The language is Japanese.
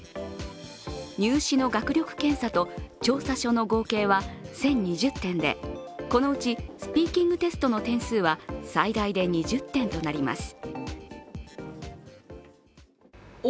入試の学力検査と調査書の合計は１０２０点でこのうちスピーキングテストの点数は最大で２０点となります。